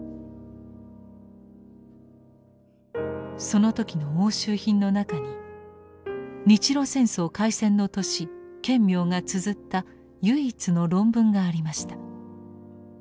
その時の押収品の中に日露戦争開戦の年顕明がつづった唯一の論文がありました。